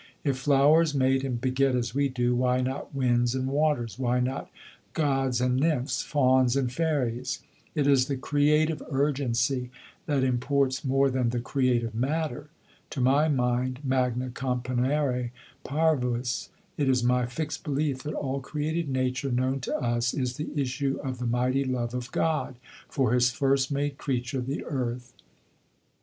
If flowers mate and beget as we do, why not winds and waters, why not gods and nymphs, fauns and fairies? It is the creative urgency that imports more than the creative matter. To my mind, magna componere parvis, it is my fixed belief that all created nature known to us is the issue of the mighty love of God for his first made creature the Earth.